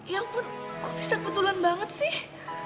ya ampun kok bisa kebetulan banget sih